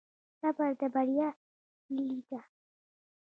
صبر د بریا کیلي ده؟